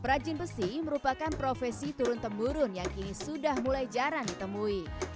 perajin besi merupakan profesi turun temurun yang kini sudah mulai jarang ditemui